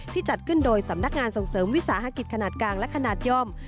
จัดขึ้นโดยสำนักงานส่งเสริมวิสาหกิจขนาดกลางและขนาดย่อม